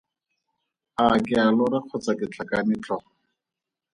A ke a lora kgotsa ke tlhakane tlhogo?